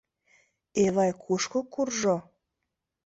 Эвай кушко куржо?